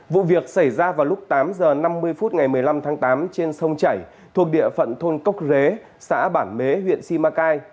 vụ việc xảy ra vào lúc tám h năm mươi phút ngày một mươi năm tháng tám trên sông chảy thuộc địa phận thôn cốc rế xã bản mế huyện simacai